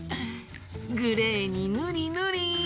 グレーにぬりぬり。